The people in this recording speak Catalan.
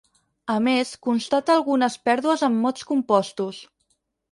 A més, constata algunes pèrdues en mots compostos.